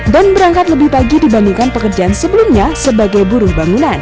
dan berangkat lebih pagi dibandingkan pekerjaan sebelumnya sebagai buruh bangunan